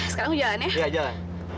sekarang aku jalan ya